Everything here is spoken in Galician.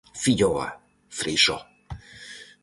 Filloa, freixó...